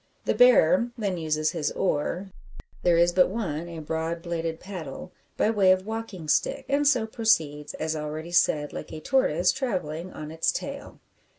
The bearer then uses his oar there is but one, a broad bladed paddle by way of walking stick; and so proceeds, as already said, like a tortoise travelling on its tail!